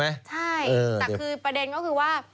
ใช่แต่คือประเด็นก็คือว่า